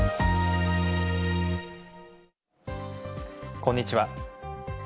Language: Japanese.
こんにちは。